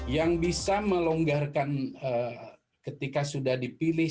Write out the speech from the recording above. yang bisa melonggarkan ketika sudah dipilih